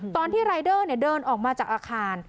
ตอนที่รายเดอร์เดินออกมาจากอาคาร